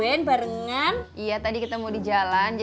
emang lu juga suka ngomong sama becuka